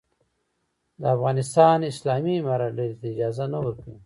د افغانستان اسلامي امارت ډلې ته اجازه نه ورکوي.